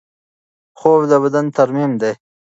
خوب د بدن ترمیم دی.